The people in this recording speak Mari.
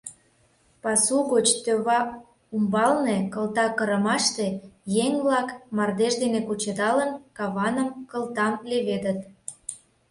Пасу гоч тӧва умбалне, кылта кырымаште, еҥ-влак, мардеж дене кучедалын, каваным, кылтам леведыт.